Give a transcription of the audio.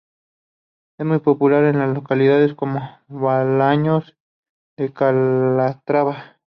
Es muy popular en localidades como Bolaños de Calatrava.